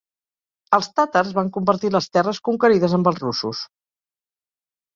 Els tàtars van compatir les terres conquerides amb els russos.